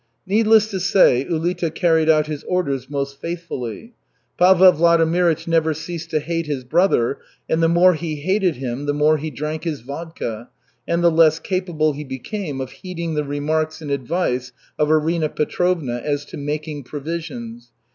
Needless to say, Ulita carried out his orders most faithfully. Pavel Vladimirych never ceased to hate his brother, and the more he hated him, the more he drank his vodka, and the less capable he became of heeding the remarks and advice of Arina Petrovna as to "making provisions."